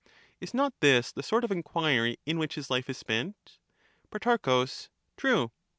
Is not this the sort of enquiry in which his life is spent ? Pro. True.